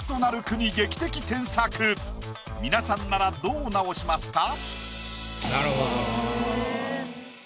皆さんならどう直しますか？